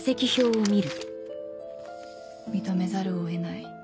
認めざるを得ない